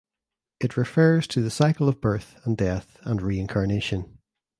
It refers to the cycle of birth and death and reincarnation.